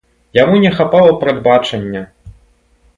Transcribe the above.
Яму не хапала прадбачання.